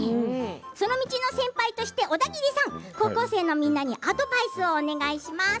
その道の先輩としてオダギリさん高校生のみんなにアドバイスお願いします。